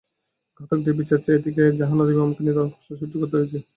ঘাতকদের বিচার চাইতে গিয়ে জাহানারা ইমামকে নিদারুণ কষ্ট সহ্য করতে হয়েছে।